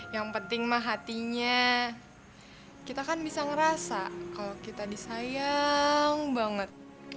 yang penting mah hatinya kita kan bisa ngerasa kalau kita disayang banget